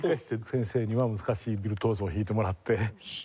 先生には難しいビルトゥオーソを弾いてもらって。